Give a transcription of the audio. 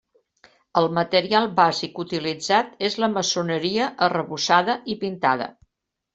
El material bàsic utilitzat és la maçoneria, arrebossada i pintada.